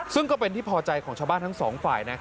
ซึ่งก็เป็นที่พอใจของชาวบ้านทั้งสองฝ่ายนะ